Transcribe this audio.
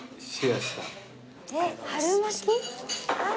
えっ春巻き？